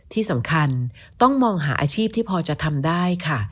ที่สำคัญต้องมองหาอาชีพที่พอจะทำได้ค่ะ